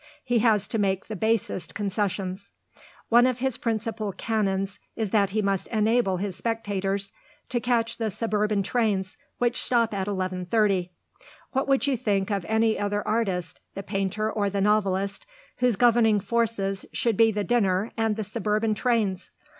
He has to make the basest concessions. One of his principal canons is that he must enable his spectators to catch the suburban trains, which stop at 11.30. What would you think of any other artist the painter or the novelist whose governing forces should be the dinner and the suburban trains?